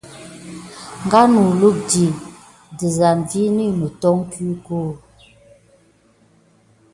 Ngawni lulundi tisank kinaya ket naditite nanai.